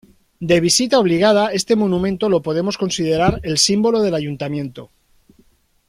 De visita obligada, este monumento lo podemos considerar el símbolo del ayuntamiento.